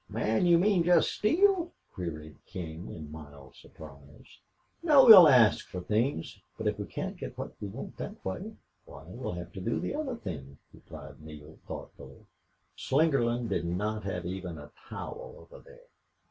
"Man, you mean jest steal?" queried King, in mild surprise. "No. We'll ask for things. But if we can't get what we want that way why, we'll have to do the other thing," replied Neale, thoughtfully. "Slingerland did not have even a towel over there.